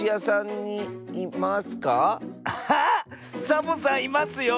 サボさんいますよ。